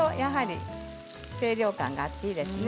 清涼感があっていいですね。